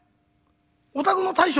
お宅の大将？